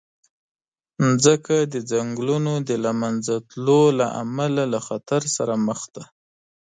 مځکه د ځنګلونو د له منځه تلو له امله له خطر سره مخ ده.